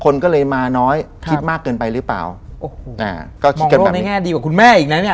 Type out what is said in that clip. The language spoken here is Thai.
คนก็เลยมาน้อยคิดมากเกินไปหรือเปล่าโอ้โหอ่าก็คิดกันว่าในแง่ดีกว่าคุณแม่อีกนะเนี้ย